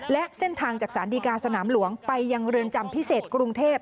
และเส้นทางจากศาลดีกาสนามหลวงไปยังเรือนจำพิเศษกรุงเทพ